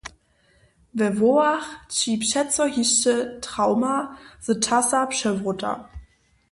We hłowach tči přeco hišće trawma z časa přewróta.